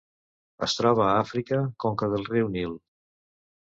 Es troba a Àfrica: conca del riu Nil.